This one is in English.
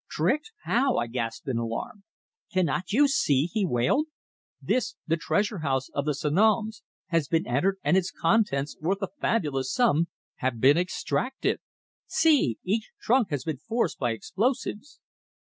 "Tricked! How?" I gasped in alarm. "Cannot you see?" he wailed. "This, the Treasure house of the Sanoms, has been entered and its contents, worth a fabulous sum, have been extracted! See! Each trunk has been forced by explosives!"